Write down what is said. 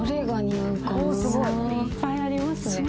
いっぱいありますね。